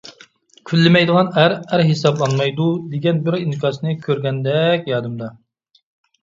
«كۈنلىمەيدىغان ئەر، ئەر ھېسابلانمايدۇ» دېگەن بىر ئىنكاسنى كۆرگەندەك يادىمدا.